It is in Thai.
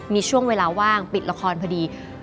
มีช่วงเวลาว่างปิดละครพอดี